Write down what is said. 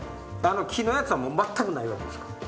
あの木のやつは全くないわけですか？